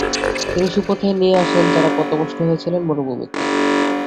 তিনি সুপথে নিয়ে আসেন যারা পথভ্রষ্ট হয়েছিল মরুভূমিতে।